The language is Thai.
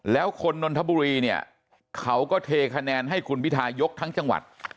แล้วคนนนทบุรีเนี่ยเขาก็เทคะแนนให้คุณพิทายกทั้งจังหวัด